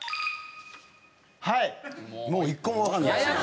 もう一個もわかんないですね。